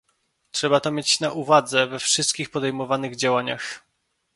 Trzeba to mieć na uwadze we wszystkich podejmowanych działaniach